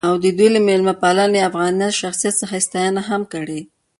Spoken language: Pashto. او د دوي له میلمه پالنې ،افغانيت ،شخصیت څخه يې ستاينه هم کړې.